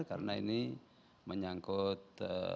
karena ini menyangkut